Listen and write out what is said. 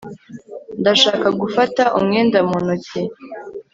ndashaka gufata umwenda mu ntoki